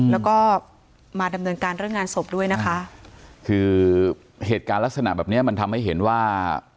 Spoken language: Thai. แล้วก็มาดำเนินการเรื่องงานศพด้วยนะคะคือเหตุการณ์ลักษณะแบบเนี้ยมันทำให้เห็นว่า